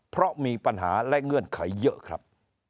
เพราะมีปัญหาและเงื่อนไขเยอะครับ